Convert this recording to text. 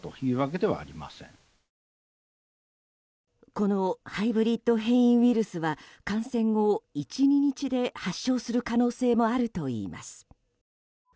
このハイブリッド変異ウイルスは感染後１２日で発症する可能性もあるといいます。